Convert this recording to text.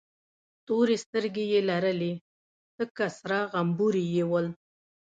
تورې سترگې يې لرلې، تک سره غمبوري یې ول.